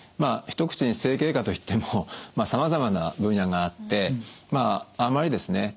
一口に整形外科といってもさまざまな分野があってまああんまりですね